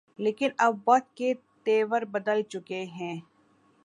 لیکن اب وقت کے تیور بدل چکے ہیں۔